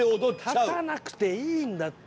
立たなくていいんだって！